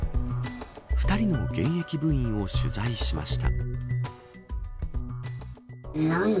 ２人の現役部員を取材しました。